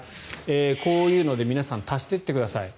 こういうので皆さん足していってください。